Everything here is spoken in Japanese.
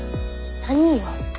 何よ？